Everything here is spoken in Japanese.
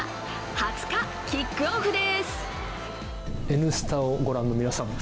２０日、キックオフです。